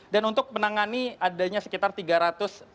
dan untuk menangani adanya sekitar tiga ratus warga